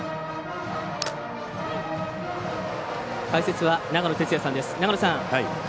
解説は長野哲也さんです。